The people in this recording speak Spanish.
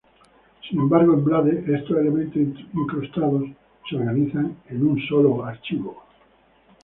Sin embargo, en Blade estos elementos incrustados se organizan en un sólo archivo.